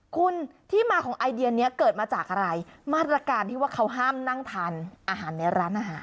คุณที่มาของไอเดียนี้เกิดมาจากอะไรมาตรการที่ว่าเขาห้ามนั่งทานอาหารในร้านอาหาร